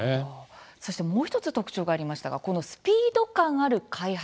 そして、もう１つ特徴がありましたがこのスピード感ある開発